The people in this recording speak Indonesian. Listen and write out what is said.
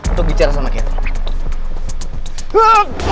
untuk bicara sama catherine